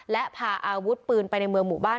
และพาอาวุธปืนไปในเมืองหมู่บ้าน